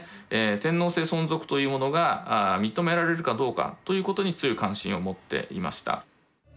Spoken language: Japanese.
天皇制存続というものが認められるかどうかということに強い関心を持っていました。